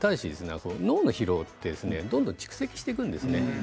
正しい脳の疲労はどんどん蓄積していくんですね。